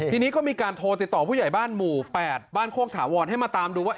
ทีนี้ก็มีการโทรติดต่อผู้ใหญ่บ้านหมู่๘บ้านโคกถาวรให้มาตามดูว่า